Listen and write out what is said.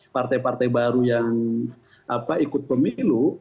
partai partai baru yang ikut pemilu